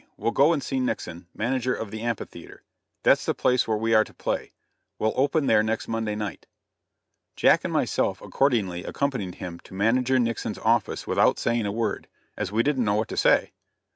We'll go and see Nixon, manager of the Amphitheatre. That's the place where we are to play. We'll open there next Monday night." Jack and myself accordingly accompanied him to manager Nixon's office without saying a word, as we didn't know what to say.